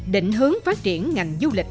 định hướng phát triển ngành du lịch